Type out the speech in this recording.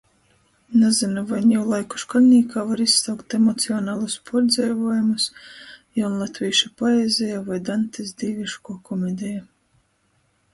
Nazynu, voi niulaiku škoļnīkā var izsaukt emocionalus puordzeivuojumus jaunlatvīšu poezeja voi Dantis "Dīvīškuo komedeja".